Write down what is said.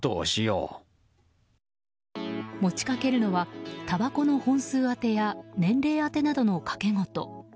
持ち掛けるのはたばこの本数当てや年齢当てなどの賭け事。